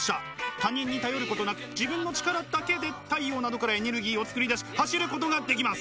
他人に頼ることなく自分の力だけで太陽などからエネルギーを作り出し走ることができます。